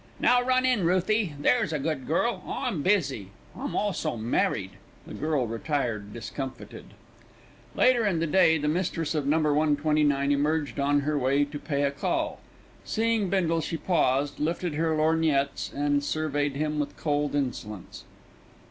Now run in, Ruthie, there's a good girl. I'm busy. I'm also married." The girl retired discomfited. Later in the day the mistress of No. 129 emerged on her way to pay a call. Seeing Bindle she paused, lifted her lorgnettes, and surveyed him with cold insolence.